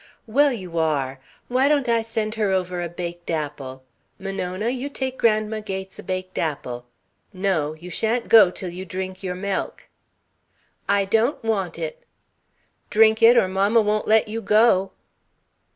"Well, you are. Why don't I send her over a baked apple? Monona, you take Grandma Gates a baked apple no. You shan't go till you drink your milk." "I don't want it." "Drink it or mamma won't let you go."